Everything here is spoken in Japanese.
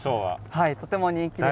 はいとても人気です。